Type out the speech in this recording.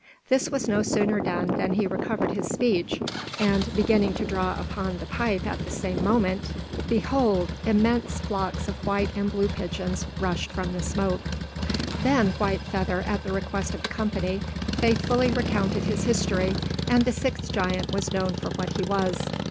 This was no sooner done than he recovered his speech, and, beginning to draw upon the pipe at the same moment, behold! immense flocks of white and blue pigeons rushed from the smoke. [Illustration: 0183] Then White Feather, at the request of the company, faithfully recounted his history, and the sixth giant was known for what he was.